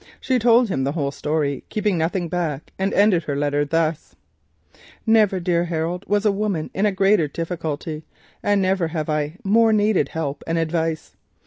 She told him the whole story, keeping nothing back, and ended her letter thus: "Never, dear Harold, was a woman in a greater difficulty and never have I more needed help and advice.